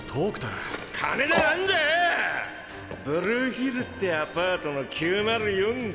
ブルーヒルってアパートの９０４だ。